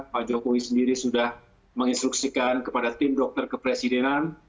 pak jokowi sendiri sudah menginstruksikan kepada tim dokter kepresidenan